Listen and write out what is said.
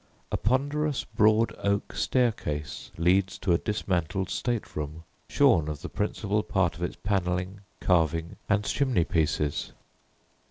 A ponderous broad oak staircase leads to a dismantled state room, shorn of the principal part of its panelling, carving, and chimney pieces.